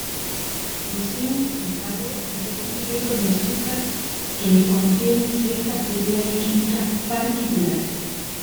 Poseen, sin embargo, diferentes restos de azúcar que les confieren ciertas propiedades químicas particulares.